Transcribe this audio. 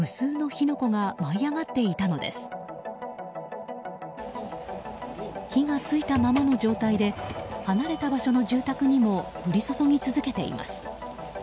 火が付いたままの状態で離れた場所の住宅にも降り注ぎ続けています。